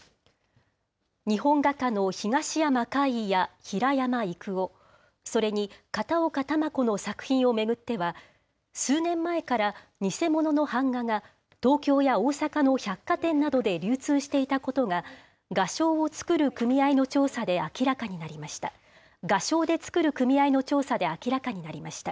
日本画家の東山魁夷や平山郁夫、それに片岡球子の作品を巡っては、数年前から偽物の版画が、東京や大阪の百貨店などで流通していたことが、画商を作る組合の調査で明らかになりました。